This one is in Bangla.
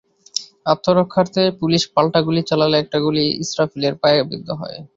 আত্মরক্ষার্থে পুলিশ পাল্টা গুলি চালালে একটি গুলি ইসরাফিলের পায়ে বিদ্ধ হয়।